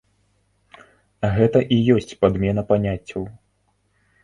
Гэта і ёсць падмена паняццяў.